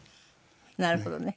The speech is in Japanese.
なるほどね。